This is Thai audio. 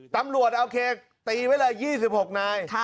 ตำรวจเอาเครกตีเวลา๒๖นาย